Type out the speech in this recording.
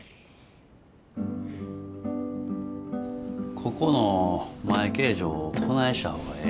ここの前形状をこないした方がええと思うんです。